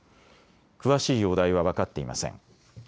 詳しい容体は分かっていません。